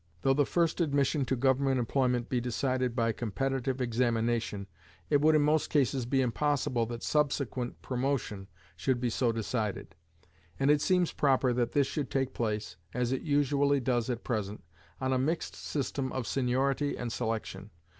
Though the first admission to government employment be decided by competitive examination, it would in most cases be impossible that subsequent promotion should be so decided; and it seems proper that this should take place, as it usually does at present, on a mixed system of seniority and selection.